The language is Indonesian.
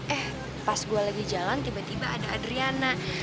eh pas gue lagi jalan tiba tiba ada adriana